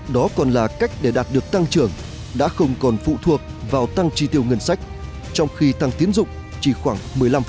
đó còn là cách để đạt được tăng trưởng đã không còn phụ thuộc vào tăng tri tiêu ngân sách trong khi tăng tiến dụng chỉ khoảng một mươi năm